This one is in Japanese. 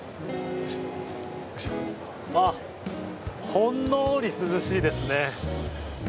あっ、ほんのり涼しいですね。